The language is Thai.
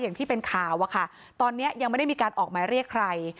อย่างที่เป็นข่าวอะค่ะตอนนี้ยังไม่ได้มีการออกหมายเรียกใคร